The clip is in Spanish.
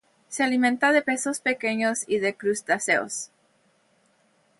Se alimenta de peces pequeños y de crustáceos.